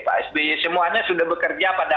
pak sby semuanya sudah bekerja pada